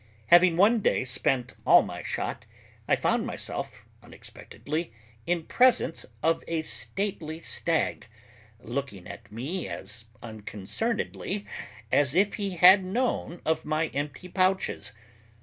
Having one day spent all my shot, I found myself unexpectedly in presence of a stately stag, looking at me as unconcernedly as if he had known of my empty pouches.